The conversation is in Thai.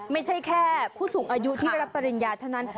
ไม่ใช่แค่ผู้สูงอายุที่ได้รับปริญญาเท่านั้น